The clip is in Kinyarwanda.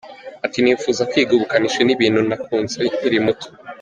Ati « Nifuza kwiga ubukanishi, ni ibintu nakunze nkiri muto.